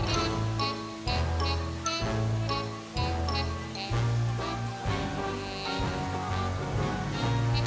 ไอ้แยวต้องเขาเยอะดิ